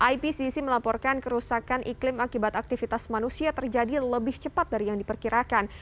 ipcc melaporkan kerusakan iklim akibat aktivitas manusia terjadi lebih cepat dari yang diperkirakan